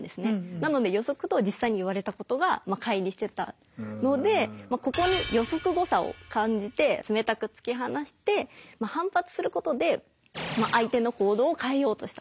なので予測と実際に言われたことがかい離してたのでここに予測誤差を感じて冷たく突き放して反発することで相手の行動を変えようとした。